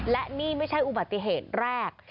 และนี่ไม่ใช่อุบัติเหตุแรก